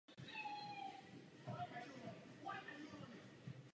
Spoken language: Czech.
Je devátou nejbližší známou hvězdou a nejbližší hvězdou souhvězdí Andromedy.